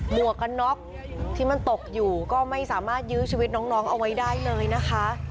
วกกันน็อกที่มันตกอยู่ก็ไม่สามารถยื้อชีวิตน้องเอาไว้ได้เลยนะคะ